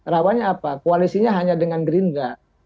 rawannya apa koalisinya hanya dengan gerindra